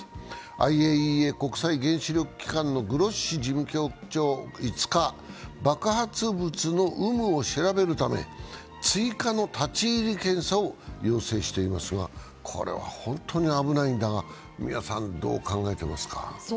ＩＡＥＡ＝国際原子力機関のグロッシ事務局長は５日、爆発物の有無を調べるため追加の立ち入り検査を要請していますが、これは本当に危ないんだが皆さん、どう考えてますか？